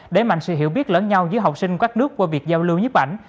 để mạnh sự hiểu biết lớn nhau giữa học sinh các nước qua việc giao lưu nhíp ảnh